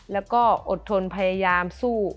แล้วก็อดทนพยายามสู้